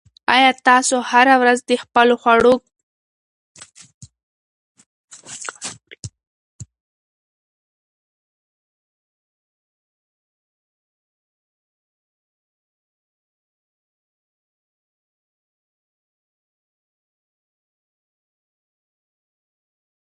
څېړنه د سرطان او زړه ناروغۍ خطر ارزوي.